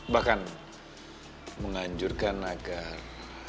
bahkan menganjurkan agar